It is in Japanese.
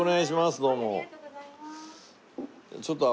どうも。